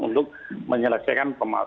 untuk menyelesaikan pembangunan